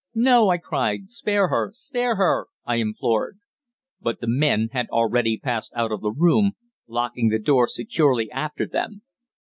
"No!" I cried; "spare her, spare her!" I implored. But the men had already passed out of the room, locking the door securely after them.